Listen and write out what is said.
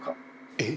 「えっ？」